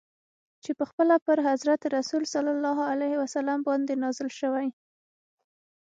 چي پخپله پر حضرت رسول ص باندي نازل سوی.